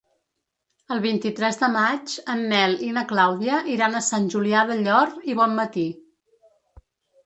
El vint-i-tres de maig en Nel i na Clàudia iran a Sant Julià del Llor i Bonmatí.